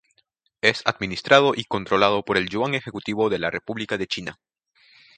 Es administrado y controlado por el Yuan Ejecutivo de la República de China.